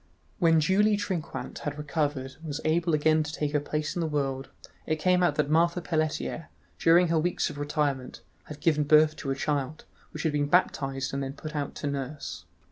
When Julie Trinquant had recovered and was able again to take her place in the world, it came out that Marthe Pelletier, during her weeks of retirement, had given birth to a child, which had been baptized and then put out to nurse.